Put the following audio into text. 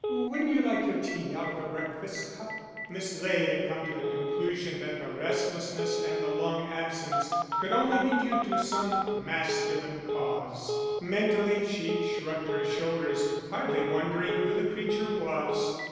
"Wouldn't you like your tea out of a breakfast cup?" Miss Ley had come to the conclusion that the restlessness and the long absence could only be due to some masculine cause. Mentally she shrugged her shoulders, hardly wondering who the creature was.